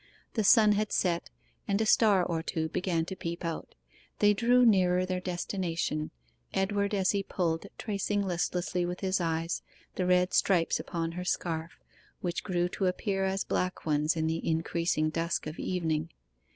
The sun had set, and a star or two began to peep out. They drew nearer their destination, Edward as he pulled tracing listlessly with his eyes the red stripes upon her scarf, which grew to appear as black ones in the increasing dusk of evening.